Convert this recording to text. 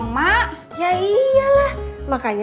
mau kemana lu